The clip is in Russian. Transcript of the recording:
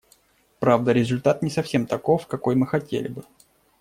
Правда, результат не совсем таков, какой мы хотели бы.